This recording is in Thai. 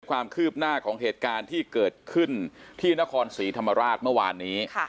ความคืบหน้าของเหตุการณ์ที่เกิดขึ้นที่นครศรีธรรมราชเมื่อวานนี้